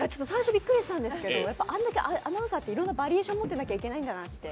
最初びっくりしたんですけどあれだけアナウンサーっていろんなバリエーション持っていないといけないんだなって。